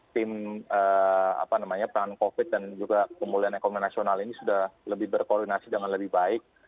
tim apa namanya covid dan juga pemulihan ekonomi nasional ini sudah lebih berkoordinasi dengan lebih baik